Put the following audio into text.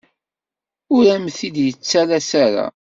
Ur am-t-id-yettales ara.